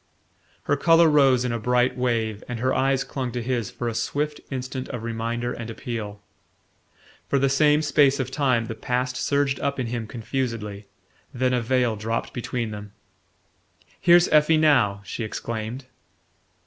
Her colour rose in a bright wave, and her eyes clung to his for a swift instant of reminder and appeal. For the same space of time the past surged up in him confusedly; then a veil dropped between them. "Here's Effie now!" she exclaimed.